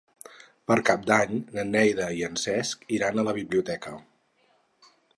Per Cap d'Any na Neida i en Cesc iran a la biblioteca.